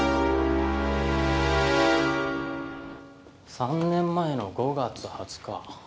３年前の５月２０日。